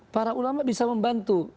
para ulama bisa membantu